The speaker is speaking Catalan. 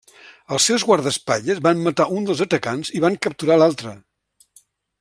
Els seus guardaespatlles van matar un dels atacants i van capturar l'altre.